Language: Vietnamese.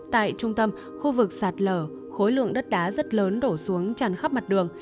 tại trung tâm khu vực sạt lở khối lượng đất đá rất lớn đổ xuống tràn khắp mặt đường